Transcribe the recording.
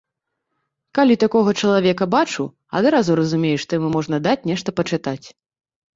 Калі такога чалавека бачу, адразу разумею, што яму можна даць нешта пачытаць.